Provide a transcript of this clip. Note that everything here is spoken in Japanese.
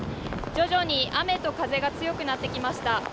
徐々に雨と風が強くなってきました。